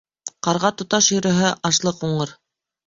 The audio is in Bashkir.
Ҡарға тоташ йөрөһә, ашлыҡ уңыр.